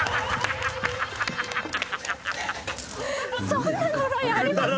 そんな呪いあります？